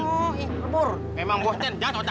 memang bosen jatuh otaknya